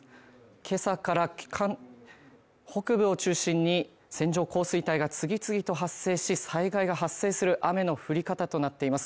けさから北部を中心に線状降水帯が次々と発生し災害が発生する雨の降り方となっています。